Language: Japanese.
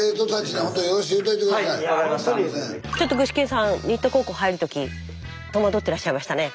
ちょっと具志堅さん新田高校入る時戸惑ってらっしゃいましたね。